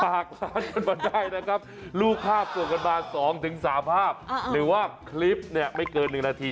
ร้านกันมาได้นะครับรูปภาพส่งกันมา๒๓ภาพหรือว่าคลิปเนี่ยไม่เกิน๑นาที